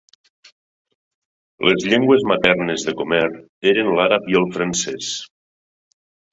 Les llengües maternes de Comair eren l'àrab i el francès.